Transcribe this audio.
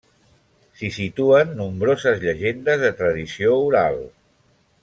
S'hi situen nombroses llegendes de tradició oral.